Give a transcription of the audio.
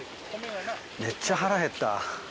めっちゃ腹減った。